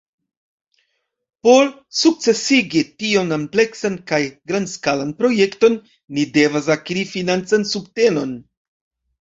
Por sukcesigi tiom ampleksan kaj grandskalan projekton, ni devas akiri financan subtenon.